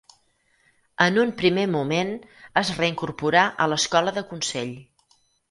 En un primer moment es reincorporà a l'escola de Consell.